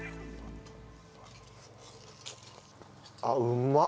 あっうまっ！